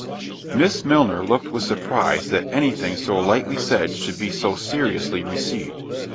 Miss Milner looked with surprise that any thing so lightly said, should be so seriously received.